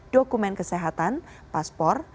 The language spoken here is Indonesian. dokumen kesehatan paspor